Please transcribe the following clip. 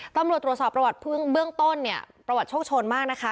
ตำรวจตรวจสอบประวัติพึ่งเบื้องต้นเนี่ยประวัติโชคชนมากนะคะ